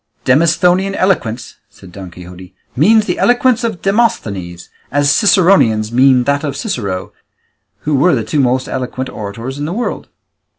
"Demosthenian eloquence," said Don Quixote, "means the eloquence of Demosthenes, as Ciceronian means that of Cicero, who were the two most eloquent orators in the world."